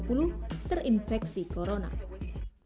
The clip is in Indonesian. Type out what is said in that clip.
tiga komisioner kpu juga perhatikan